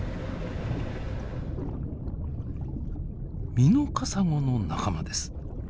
ミノカサゴの仲間です。